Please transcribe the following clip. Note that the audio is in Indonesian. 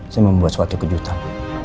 saya mau membuat sesuatu kejutan